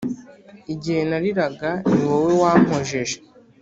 igihe nariraga niwowe wampojeje